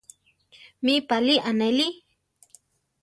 ¿Mi páli anéli?